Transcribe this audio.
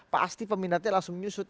pasti peminatnya langsung menyusut